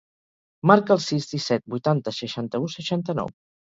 Marca el sis, disset, vuitanta, seixanta-u, seixanta-nou.